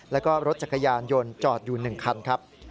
แล้วก็รถจักรยานยนต์จอดอยู่๑คันครับ